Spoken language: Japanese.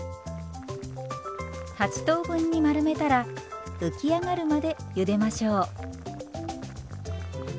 ８等分に丸めたら浮き上がるまでゆでましょう。